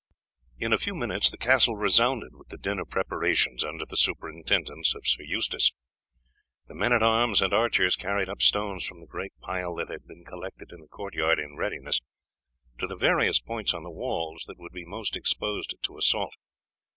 In a few minutes the castle resounded with the din of preparations under the superintendence of Sir Eustace. The men at arms and archers carried up stones from the great pile that had been collected in the court yard in readiness, to the various points on the walls that would be most exposed to assault.